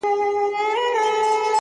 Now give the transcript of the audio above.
نه چي اختر نمانځلی نه چي پسرلی نمانځلی”